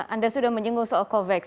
anda sudah menyinggung soal covax